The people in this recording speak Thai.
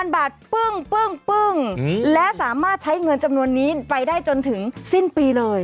บาทปึ้งและสามารถใช้เงินจำนวนนี้ไปได้จนถึงสิ้นปีเลย